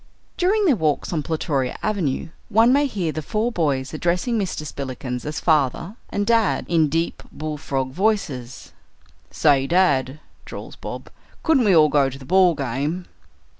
During their walks on Plutoria Avenue one may hear the four boys addressing Mr. Spillikins as "father" and "dad" in deep bull frog voices. "Say, dad," drawls Bob, "couldn't we all go to the ball game?"